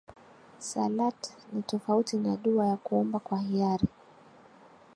salat ni tofauti na dua ya kuomba kwa hiari